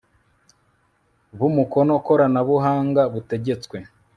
bw umukono koranabuhanga butegetswe